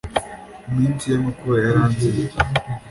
iminsi y'amakuba yaranziye